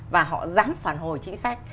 và họ dám phản hồi chính sách